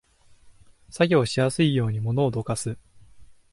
作業しやすいように物をどかす